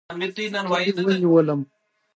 تبې ونیولم.